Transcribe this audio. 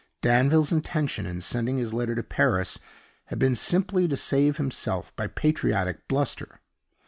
Danville's intention, in sending his letter to Paris, had been simply to save himself by patriotic bluster.